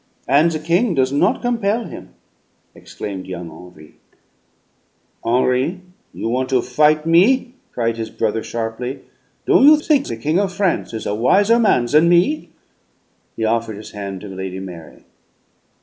"And the king does not compel him!" exclaimed young Henri. "Henri, you want to fight me?" cried his brother sharply. "Don' you think the King of France is a wiser man than me?" He offered his hand to Lady Mary.